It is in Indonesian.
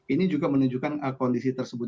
ini juga menunjukkan kondisi tersebut